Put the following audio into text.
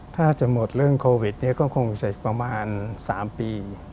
ถ้าจะหมดเรื่องโควิดเนี่ยก็คงจะประมาณ๓ปี